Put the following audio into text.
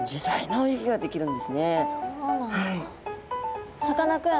そうなんだ。